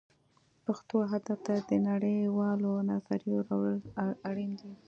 پښتو ادب ته د نړۍ والو نظریو راوړل اړین دي